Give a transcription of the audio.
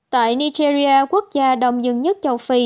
tại nigeria quốc gia đông dân nhất châu phi